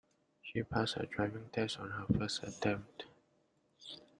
She passed her driving test on her first attempt.